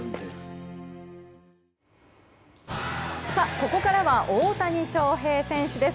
ここからは大谷翔平選手です。